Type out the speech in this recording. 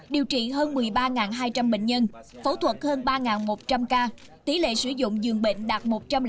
điều trị hơn một mươi ba hai trăm linh bệnh nhân phẫu thuật hơn ba một trăm linh ca tỷ lệ sử dụng dường bệnh đạt một trăm linh